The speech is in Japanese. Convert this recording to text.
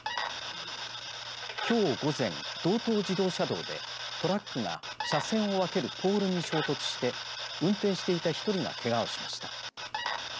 きょう午前、道東自動車道でトラックが車線を分けるポールに衝突して運転していた１人がけがをしました。